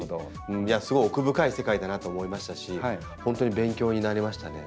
すごい奥深い世界だなと思いましたし本当に勉強になりましたね。